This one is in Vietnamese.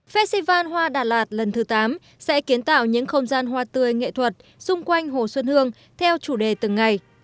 festival hoa đà lạt lần thứ tám sẽ kiến tạo những không gian hoa tươi nghệ thuật xung quanh hồ xuân hương theo chủ đề từng ngày